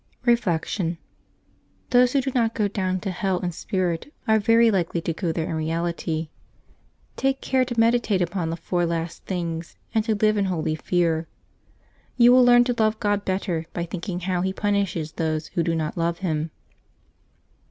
Reflection. — Those who do not go down to hell in spirit are very likely to go there in reality. Take care to meditate upon the four last things, and to live in holy fear. You will learn to love God better by thinking how He punishes those who do not love Him.